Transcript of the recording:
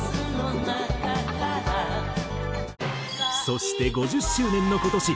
そして５０周年の今年